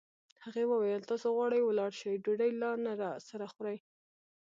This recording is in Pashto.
هغې وویل: تاسي غواړئ ولاړ شئ، ډوډۍ لا نه راسره خورئ.